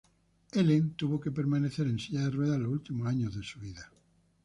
Helen tuvo que permanecer en silla de ruedas los últimos años de su vida.